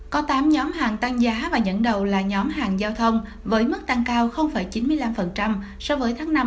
có tám nhóm hàng tăng giá và nhẫn đầu là nhóm hàng giao thông với mức tăng cao chín mươi năm so với tháng năm năm hai nghìn một mươi tám